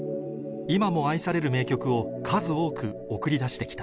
今も愛される名曲を数多く送り出して来た